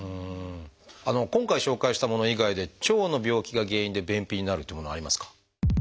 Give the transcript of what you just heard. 今回紹介したもの以外で腸の病気が原因で便秘になるっていうものはありますか？